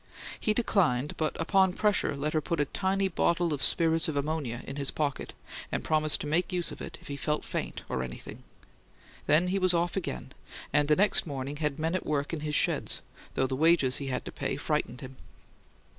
He declined, but upon pressure let her put a tiny bottle of spirits of ammonia in his pocket, and promised to make use of it if he "felt faint or anything." Then he was off again; and the next morning had men at work in his sheds, though the wages he had to pay frightened him.